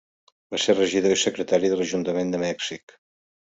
Va ser regidor i secretari de l'Ajuntament de Mèxic.